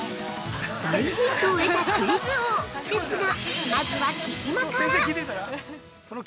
◆大ヒントを得たクイズ王ですが、まずは、木嶋から！